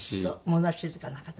物静かな方で。